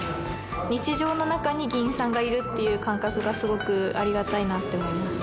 日常の中に議員さんがいるっていう感覚がすごくありがたいなって思います。